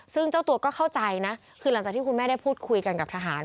ซึ่งเจ้าตัวก็เข้าใจนะคือหลังจากที่คุณแม่ได้พูดคุยกันกับทหาร